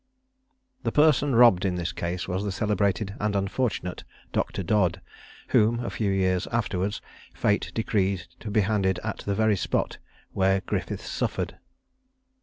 The person robbed in this case was the celebrated and unfortunate Dr. Dodd, whom, a few years afterwards, Fate decreed to be hanged at the very spot where Griffiths suffered.